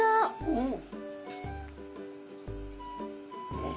うん。